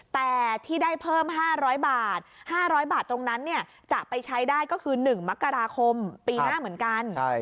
แต่ที่ได้เพิ่ม๕๐๐บาท๕๐๐บาทตรงนั้นจะไปใช้ได้ก็คือ๑มกราคมปีหน้าเหมือนกัน